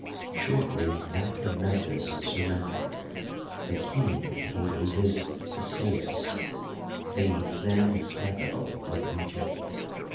Shortly after Memphis surrendered, the king paid a visit to Sais, the then capital of Egypt.